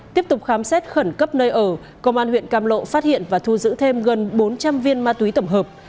tiếp tục khám xét khẩn cấp nơi ở công an huyện cam lộ phát hiện và thu giữ thêm gần bốn trăm linh viên ma túy tổng hợp